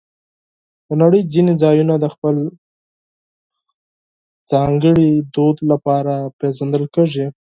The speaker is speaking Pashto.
د نړۍ ځینې ځایونه د خپل ځانګړي دود لپاره پېژندل کېږي.